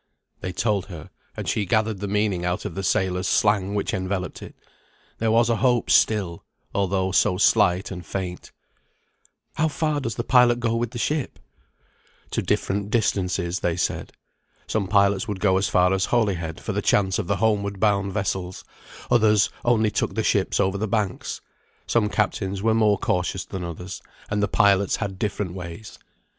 They told her, and she gathered the meaning out of the sailors' slang which enveloped it. There was a hope still, although so slight and faint. "How far does the pilot go with the ship?" To different distances they said. Some pilots would go as far as Holyhead for the chance of the homeward bound vessels; others only took the ships over the Banks. Some captains were more cautious than others, and the pilots had different ways.